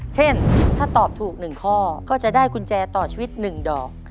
เช่นถ้าตอบถูก๑ข้อก็จะได้กุญแจต่อชีวิต๑ดอก